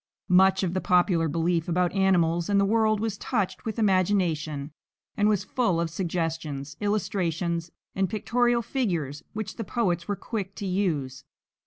Much of the popular belief about animals and the world was touched with imagination and was full of suggestions, illustrations, and pictorial figures which the poets were quick to use.